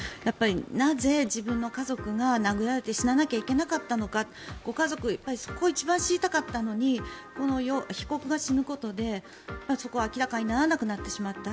なぜ自分の家族が殴られて死ななきゃいけなかったのかご家族はそこが一番知りたかったのにこの被告が死ぬことでそこが明らかにならなくなってしまった。